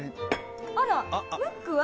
あらムックは？